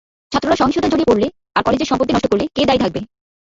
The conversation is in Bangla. ছাত্ররা সহিংসতায় জড়িয়ে পরলে আর কলেজের সম্পত্তি নষ্ট করলে কে দায়ী থাকবে?